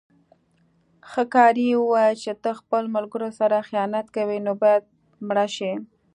ښکاري وویل چې ته خپلو ملګرو سره خیانت کوې نو باید مړه شې.